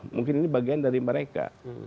mungkin ini bagian dari mereka